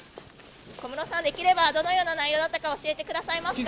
小室さん、できれば、どのような内容だったのか教えてくださいますか。